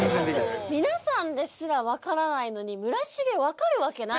皆さんですら分からないのに村重分かるわけない。